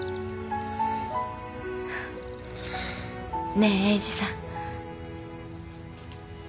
ねえ英治さん。